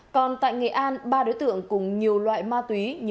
còn tại nghệ an ba đối tượng cùng nhiều loại ma túy như hồng phạm